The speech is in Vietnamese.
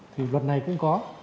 thì luật này cũng có